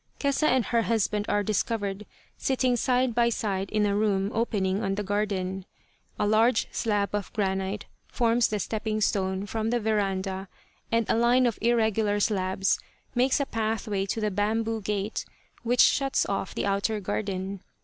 Kesa and her husband are discovered sitting side by side in a room opening on the garden. A large slab of granite forms the stepping stone from the veranda and a line of irregular slabs makes a pathway to the bamboo gate which shuts off the outer garden.